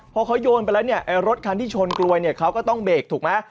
พอเขาโยนไปแล้วเนี่ยไอ้รถคันที่ชนกลวยเนี่ยเขาก็ต้องเบรกถูกไหม